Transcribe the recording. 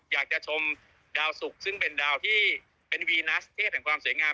อยากจะชมดาวสุกซึ่งเป็นดาวที่เป็นวีนัสเทพแห่งความสวยงาม